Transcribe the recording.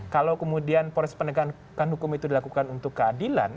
kalau kemudian proses penegakan hukum itu dilakukan untuk keadilan